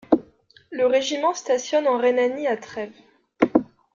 Le Régiment stationne en Rhénanie à Trèves.